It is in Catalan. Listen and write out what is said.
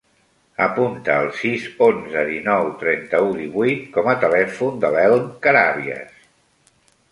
Apunta el sis, onze, dinou, trenta-u, divuit com a telèfon de l'Elm Carabias.